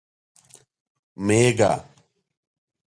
🐑 مېږه